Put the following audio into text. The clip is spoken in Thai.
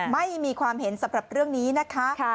ไม่มีความเห็นสำหรับเรื่องนี้นะคะ